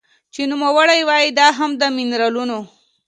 چې نوموړې وايي دا هم د مېنرالونو